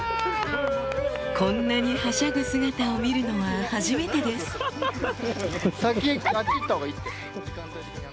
こんなにはしゃぐ姿を見るのは初めてですやった！